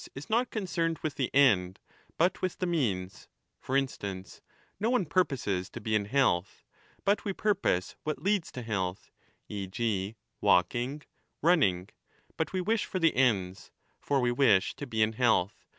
D 2 Ii89^ MAGNA MORALIA the means ; for instance, no one purposes to be in health, lo but we purpose what leads to healthy e. g. walking, running ; but we wish for the ends. For we wish to be in health.